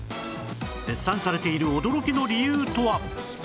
絶賛されている驚きの理由とは？